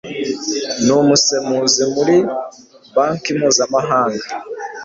Ni umusemuzi muri banki mpuzamahanga.